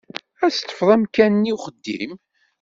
Ad teṭṭfeḍ amkan-nni uxeddim?